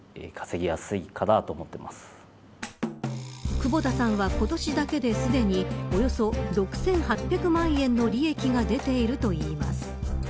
窪田さんは、今年だけですでにおよそ６８００万円の利益が出ているといいます。